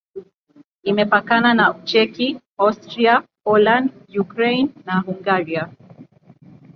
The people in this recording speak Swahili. Imepakana na Ucheki, Austria, Poland, Ukraine na Hungaria.